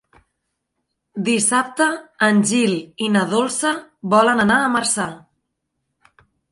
Dissabte en Gil i na Dolça volen anar a Marçà.